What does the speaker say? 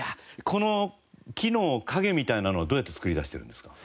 この木の影みたいなのはどうやって作り出してるんですか？